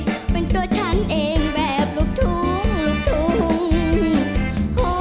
มาหลอกรักชักจุงแล้วทำให้เค้ง